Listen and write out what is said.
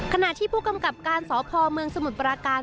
ขณะที่ผู้กำกับการสพเมืองสมุทรปราการ